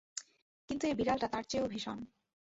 কিন্তু এ বিড়ালটা তার চেয়েও ভীষণ।